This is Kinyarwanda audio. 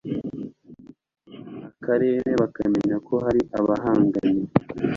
b Akarere bakamenya ko hari abahanganye